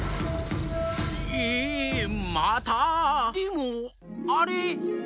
ええまた⁉でもあれ。